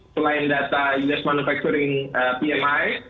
selain data unes manufacturing pmi